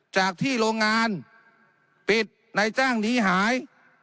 จากที่โรงงานปิดนายจ้างนี้หาย